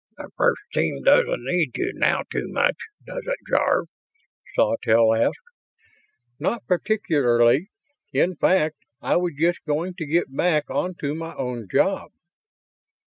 "The First Team doesn't need you now too much, does it, Jarve?" Sawtelle asked. "Not particularly. In fact, I was just going to get back onto my own job."